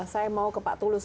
saya mau ke pak tulus